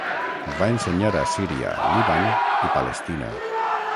Va ensenyar a Síria, Líban i Palestina.